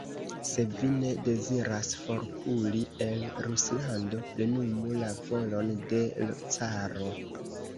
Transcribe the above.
Se vi ne deziras forkuri el Ruslando, plenumu la volon de l' caro.